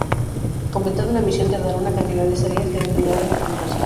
Completar una misión te dará una cantidad de estrellas que dependerá de tu puntuación.